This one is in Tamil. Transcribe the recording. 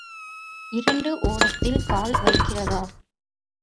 இரண்டு ஓடத்தில் கால் வைக்கிறதா?